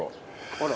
あら。